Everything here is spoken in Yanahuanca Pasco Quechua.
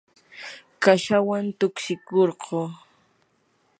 kashawan tukshikurquu.